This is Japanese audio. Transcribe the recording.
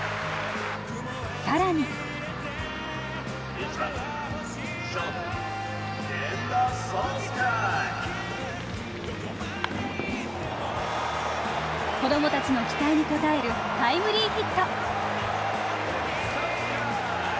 さらに子供達の期待に応えるタイムリーヒット。